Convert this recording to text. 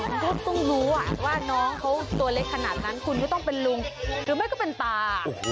คุณก็ต้องรู้ว่าน้องเขาตัวเล็กขนาดนั้นคุณก็ต้องเป็นลุงหรือไม่ก็เป็นตา